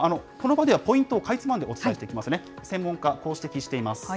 ではこの場ではポイントをかいつまんでお伝えしていきますね。